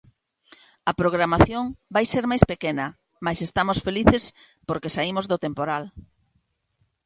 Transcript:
A programación vai ser máis pequena mais estamos felices porque saímos do temporal.